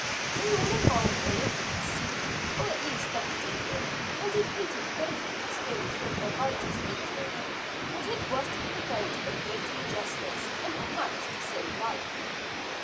They all involved a little deceit, or at least double dealing and he hated both those things with a righteous hatred but it was to prevent a great injustice, and perhaps to save life.